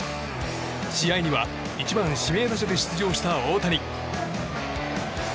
試合には１番指名打者で出場した大谷。